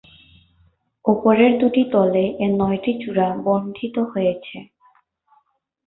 উপরের দুটি তলে এর নয়টি চূড়া বণ্টিত হয়েছে।